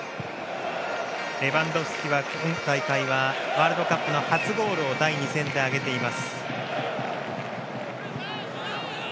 レバンドフスキは今大会はワールドカップの初ゴールを第２戦で挙げています。